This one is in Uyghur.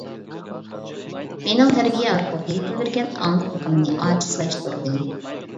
مېنىڭ تەربىيە ئارقىلىق يېتىلدۈرگەن ئاڭلىقلىقىمنى ئاجىزلاشتۇردى.